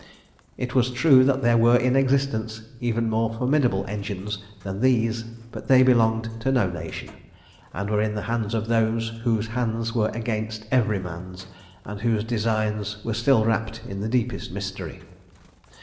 It was true that there were in existence even more formidable engines than these, but they belonged to no nation, and were in the hands of those whose hands were against every man's, and whose designs were still wrapped in the deepest mystery.